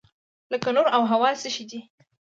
لکه نور او هوا څه شی دي؟